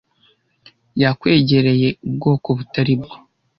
Yakwegereye ubwoko butari bwo.